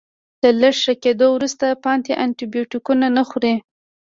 له لږ ښه کیدو وروسته پاتې انټي بیوټیک نه خوري.